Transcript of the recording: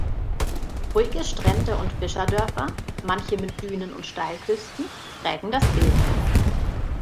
Ruhige Strände und Fischerdörfer, manche mit Dünen und Steilküsten, prägen das Bild.